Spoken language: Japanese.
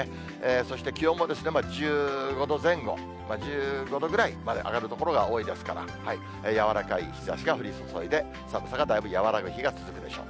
そして気温も１５度前後、１５度ぐらいまで上がる所が多いですから、柔らかい日ざしが降り注いで、寒さがだいぶ和らぐ日が続くでしょう。